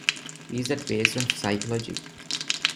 Is that based on psychology?